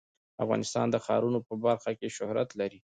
افغانستان د ښارونو په برخه کې شهرت لري.